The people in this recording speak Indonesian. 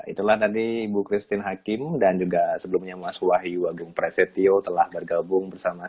itulah tadi ibu christine hakim dan juga sebelumnya mas wahyu agung presetio telah bergabung bersama saya